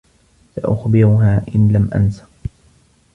سأخبرها إن لم أنس.